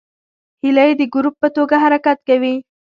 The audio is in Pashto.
هیلۍ د ګروپ په توګه حرکت کوي